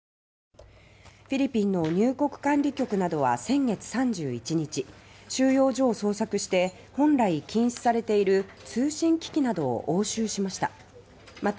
フィリピンの入国管理局などは先月３１日収容所を捜索して本来禁止されている通信機器などを押収しました。